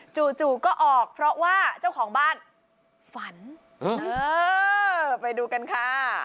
จู่ก็ออกเพราะว่าเจ้าของบ้านฝันเออไปดูกันค่ะ